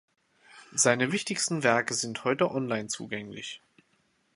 Seine wichtigsten Werke sind heute online zugänglich.